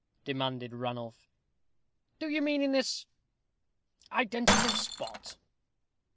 demanded Ranulph. "Do you mean in this identical spot?"